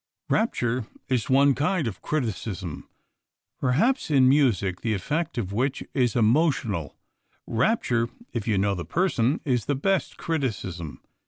Rapture is one kind of criticism. Perhaps in music, the effect of which is emotional, rapture, if you know the person, is the best criticism.